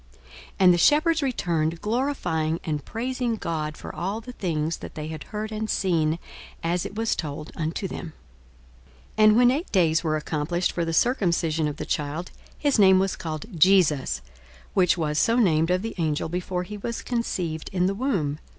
42:002:020 And the shepherds returned, glorifying and praising God for all the things that they had heard and seen, as it was told unto them. 42:002:021 And when eight days were accomplished for the circumcising of the child, his name was called JESUS, which was so named of the angel before he was conceived in the womb.